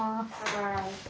はい。